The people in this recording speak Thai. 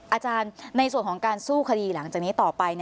อาจารย์ในส่วนของการสู้คดีหลังจากนี้ต่อไป